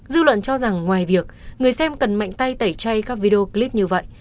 dư luận cho rằng ngoài việc người xem cần mạnh tay tẩy chay các video clip như vậy